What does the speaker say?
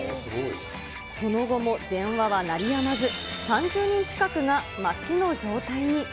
その後も電話は鳴りやまず、３０人近くが待ちの状態に。